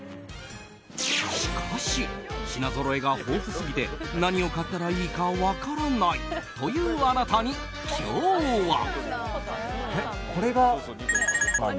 しかし、品ぞろえが豊富すぎて何を買ったらいいか分からないというあなたに、今日は。